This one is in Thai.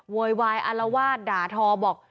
โวยวายอารวาสด่าทอบอก